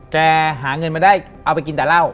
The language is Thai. หาเงินมาได้เอาไปกินแต่เหล้า